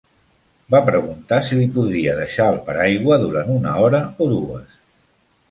Va preguntar si li podria deixar el paraigua durant una hora o dues